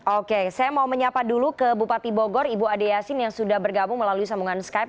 oke saya mau menyapa dulu ke bupati bogor ibu ade yasin yang sudah bergabung melalui sambungan skype